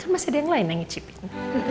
masih ada yang lain yang ngicipin